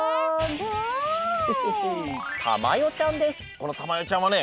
このたまよちゃんはね